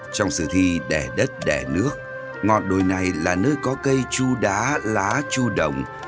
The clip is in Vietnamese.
trong sử thi đẻ đất đẻ nước ngọn đồi này là nơi có cây chu đá lá chu đồng